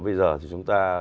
bây giờ thì chúng ta